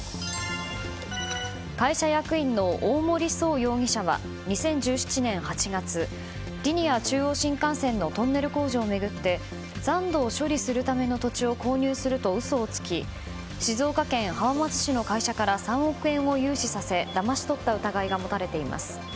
会社役員の大森創容疑者は２０１７年８月リニア中央新幹線のトンネル工事を巡って残土を処理するための土地を購入すると嘘をつき静岡県浜松市の会社から３億円を融資させだまし取った疑いが持たれています。